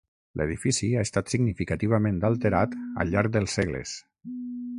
L'edifici ha estat significativament alterat al llarg dels segles.